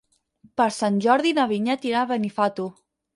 Per Sant Jordi na Vinyet irà a Benifato.